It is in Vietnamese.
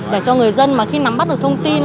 để cho người dân mà khi nắm bắt được thông tin